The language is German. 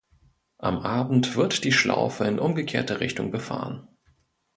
Am Abend wird die Schlaufe in umgekehrter Richtung befahren.